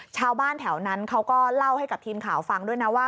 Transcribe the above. ชาวบ้านแถวนั้นเขาก็เล่าให้กับทีมข่าวฟังด้วยนะว่า